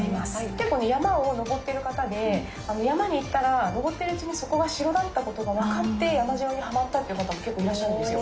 結構ね山を登ってる方で山に行ったら登ってるうちにそこが城だった事が分かって山城にはまったという方も結構いらっしゃるんですよ。